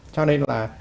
cho nên là